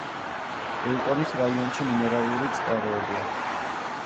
ელტონის რაიონში მინერალური წყაროებია.